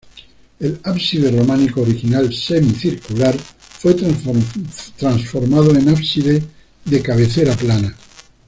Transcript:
El ábside románico original -semicircular-, fue transformado en ábside de cabecera plana.